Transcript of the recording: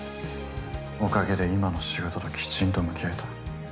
おかげで今の仕事ときちんと向き合えた。